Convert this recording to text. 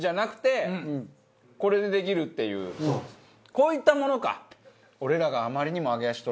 こういったものか。